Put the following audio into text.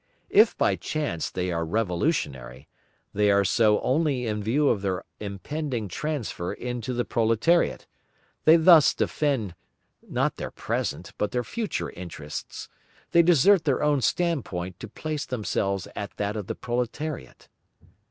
If by chance they are revolutionary, they are so only in view of their impending transfer into the proletariat, they thus defend not their present, but their future interests, they desert their own standpoint to place themselves at that of the proletariat.